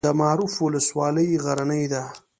د معروف ولسوالۍ غرنۍ ده